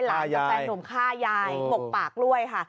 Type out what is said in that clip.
กับแฟนหนุ่มฆ่ายายหกปากด้วยค่ะ